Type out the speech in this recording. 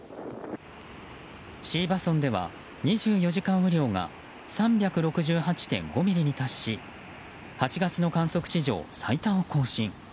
椎葉村では、２４時間雨量が３６８．５ミリに達し８月の観測史上最多を更新。